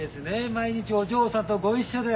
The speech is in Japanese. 毎日お嬢さんとご一緒で。